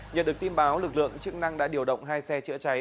nhận được tin báo lực lượng chức năng đã điều động hai xe chữa cháy